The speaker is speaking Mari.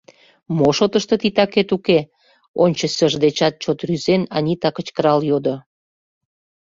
— Мо шотышто титакет уке? — ончычсыж дечат чот рӱзен, Анита кычкырал йодо.